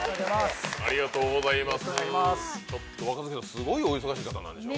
若槻さん、すごいお忙しい方なんでしょう？